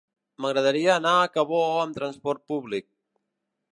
M'agradaria anar a Cabó amb trasport públic.